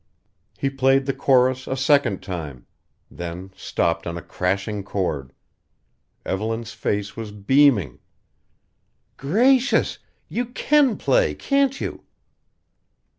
He played the chorus a second time then stopped on a crashing chord. Evelyn's face was beaming "Gracious! You can play, can't you?"